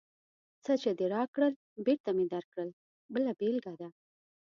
څه چې دې راکړل، بېرته مې درکړل بله بېلګه ده.